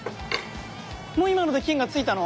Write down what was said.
もう今ので金が付いたの？